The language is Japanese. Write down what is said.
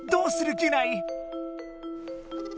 ギュナイ。